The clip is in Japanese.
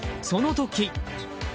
その時。